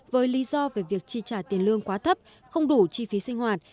với lý do về việc chi trả tiền lương quá thấp không đủ chi phí sinh hoạt